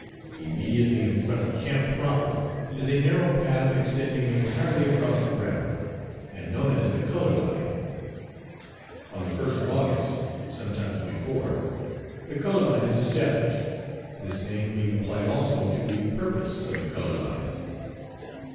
Immediately in front of camp proper is a narrow path extending entirely across the ground, and known as the "color line." On the 1st of August sometimes before the "color line" is established, this name being applied also to the purpose of the color line.